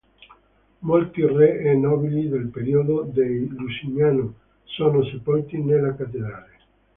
Molti re e nobili del periodo dei Lusignano sono sepolti nella cattedrale.